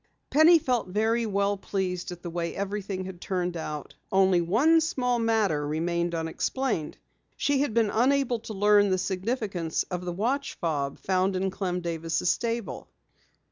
Penny felt very well pleased at the way everything had turned out. Only one small matter remained unexplained. She had been unable to learn the significance of the watch fob found in Clem Davis' stable.